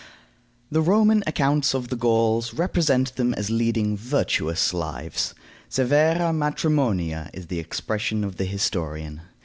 The Roman accounts of the Gauls represent them as leading virtuous lives. Severa matrimonia is the expression of the historian.